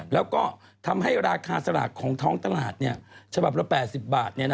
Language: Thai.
แล้วก็ทำให้ราคาสลากของท้องตลาดฉบับละ๘๐บาท